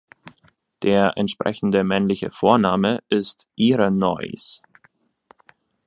Der entsprechende männliche Vorname ist Irenäus.